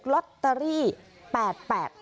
ลอตเตอรี่แปดแปด